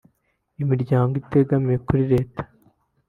imiryango itegamiye kuri Leta